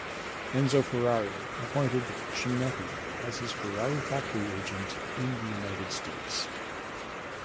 Enzo Ferrari appointed Chinetti as his Ferrari factory agent in the United States.